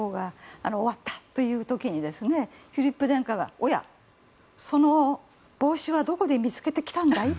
終わったという時にフィリップ殿下がおや、その帽子はどこで見つけてきたんだい？